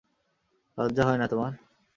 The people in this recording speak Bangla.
লজ্জা হয় না তোমার?